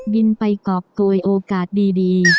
บินไปโกยโอกาสดี